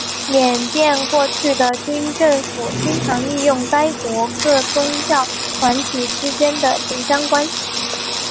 缅甸过去的军政府经常利用该国各宗教团体之间的紧张关系。